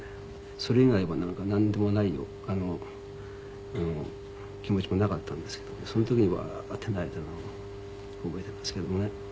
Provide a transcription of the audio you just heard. それ以外はなんでもない気持ちもなかったんですけどねその時にわーって泣いたのを覚えてますけどもね。